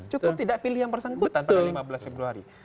cukup tidak pilih yang bersangkutan pada lima belas februari